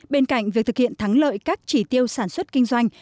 bên cạnh việc thực hiện thắng lợi các chỉ tiêu sản xuất kinh doanh